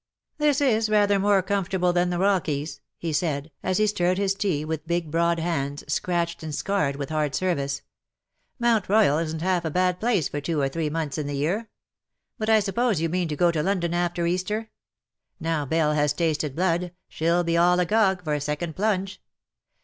"This is rather more comfortable than the Rockies/^ he said,, as he stirred his tea, with big broad hands, scratched and scarred with hard service. " Mount Royal isnH half a bad place for two or three months in the year. But I suppose you mean to go to London after Easter ? Now Belle has tasted blood she'll be all agog for a second plunge.